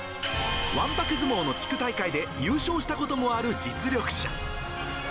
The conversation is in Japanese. わんぱく相撲の地区大会で優勝したこともある実力者。